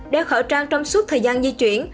đeo khẩu trang trong suốt thời gian di chuyển